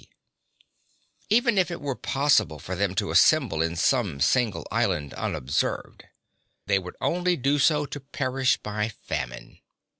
And even if it were possible for them to assemble in some single island unobserved, they would only do so to perish by famine.